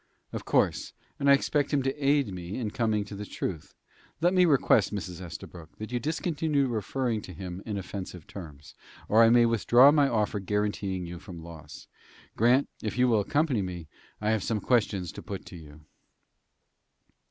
"Of course; and I expect him to aid me in coming to the truth. Let me request, Mrs. Estabrook, that you discontinue referring to him in offensive terms, or I may withdraw my offer guaranteeing you from loss. Grant, if you will accompany me, I have some questions to put to you."